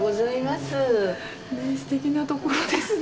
すてきなところですね。